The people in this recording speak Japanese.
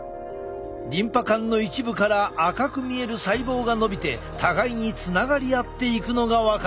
リンパ管の一部から赤く見える細胞がのびて互いにつながり合っていくのが分かる。